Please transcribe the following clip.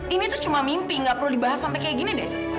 ini tuh cuma mimpi gak perlu dibahas sampai kayak gini deh